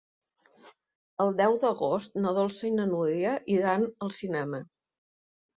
El deu d'agost na Dolça i na Núria iran al cinema.